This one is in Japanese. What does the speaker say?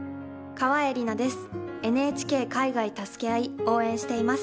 川栄李奈です。